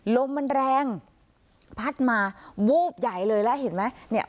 ลมมันแรงพัดมาวูบใหญ่เลยแล้วเห็นไหมเนี่ย